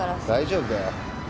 大丈夫だよ。